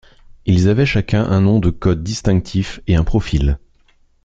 Ils avaient chacun un nom de code distinctif et un profil.